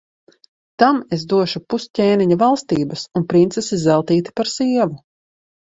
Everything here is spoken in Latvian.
Tam es došu pus ķēniņa valstības un princesi Zeltīti par sievu.